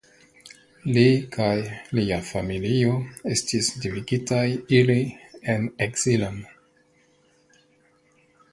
Li kaj lia familio estis devigitaj iri en ekzilon.